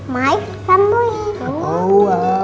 mau ikut sama om baik